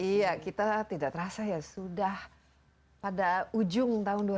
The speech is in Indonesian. iya kita tidak terasa ya sudah pada ujung tahun dua ribu dua